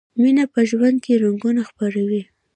مینه په ژوند کې رنګونه خپروي.